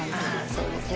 そうですね。